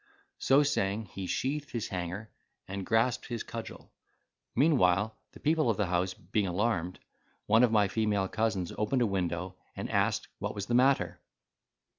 So saying, he sheathed his hanger, and grasped his cudgel. Meanwhile the people of the house being alarmed, one of my female cousins opened a window, and asked what was the matter.